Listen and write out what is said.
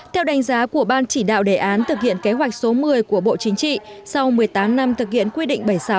theo đánh giá của ban chỉ đạo đề án thực hiện kế hoạch số một mươi của bộ chính trị sau một mươi tám năm thực hiện quy định bảy mươi sáu